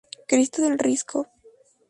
Cristo del Risco.